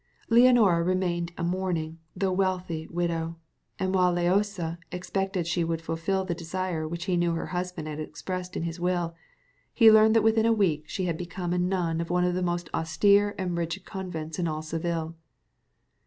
Leonora remained a mourning though wealthy widow; and whilst Loaysa expected that she would fulfil the desire which he knew her husband had expressed in his will, he learned that within a week she had become a nun in one of the most austere and rigid convents in all Seville.